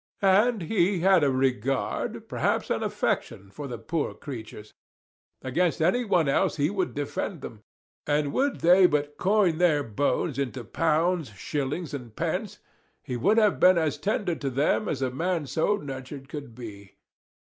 And he had a regard, perhaps an affection, for the poor creatures; against any one else he would defend them; and would they but coin their bones into pounds, shillings, and pence, he would have been as tender to them as a man so nurtured could be.